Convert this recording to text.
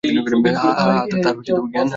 হ্যাঁ, তার জ্ঞান হারিয়েছে।